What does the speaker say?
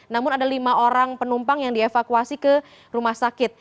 namun ada lima orang penumpang yang dievakuasi ke rumah sakit